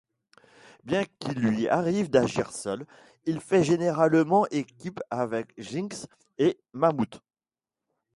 Bien qu'il lui arrive d'agir seul, il fait généralement équipe avec Jinx et Mammouth.